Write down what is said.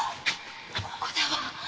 ここだわ！